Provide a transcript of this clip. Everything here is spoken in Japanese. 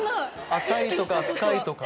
浅いとか深いとか？